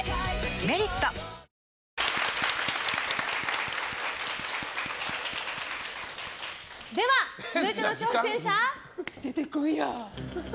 「メリット」では、続いての挑戦者出てこいや！